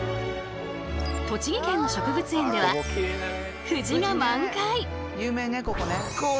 栃木県の植物園では藤が満開。